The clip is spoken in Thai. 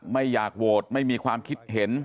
ไม่อยากโหวตไม่มีความคิดเห็น